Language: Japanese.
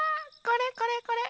これこれこれ。